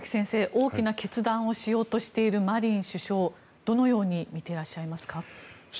大きな決断をしようとしているマリン首相をどのように見てらっしゃいますか。